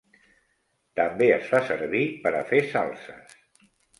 També es fa servir per a fer salses.